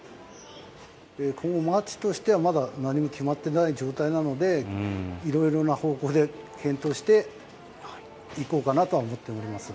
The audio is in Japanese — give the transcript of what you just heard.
今後、町としてはまだ何も決まってない状態なので、いろいろな方向で検討していこうかなとは思っております。